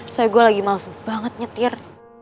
soalnya gue lagi males banget nyetir